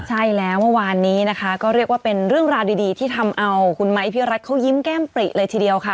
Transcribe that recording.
ใช่แล้วเมื่อวานนี้นะคะก็เรียกว่าเป็นเรื่องราวดีที่ทำเอาคุณไม้พี่รัฐเขายิ้มแก้มปริเลยทีเดียวค่ะ